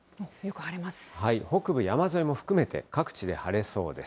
北部山沿いも含めて、各地で晴れそうです。